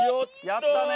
やったね！